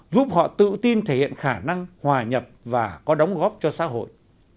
giúp họ tự tin thể hiện khả năng hòa nhập và có đóng góp cho xã hội